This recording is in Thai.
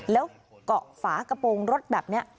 แล้วเกาะฝากระโปรงรถแบบนี้